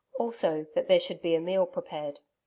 Also that there should be a meal prepared.